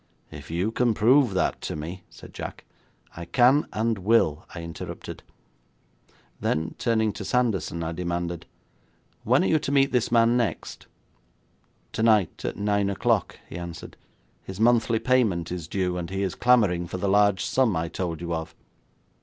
'If you can prove that to me ' said Jack. 'I can and will,' I interrupted; then, turning to Sanderson, I demanded: 'When are you to meet this man next?' 'Tonight, at nine o'clock,' he answered. 'His monthly payment is due, and he is clamouring for the large sum I told you of.'